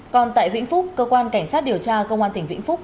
còn tại vĩnh phúc cơ quan cảnh sát điều tra công an tỉnh vĩnh phúc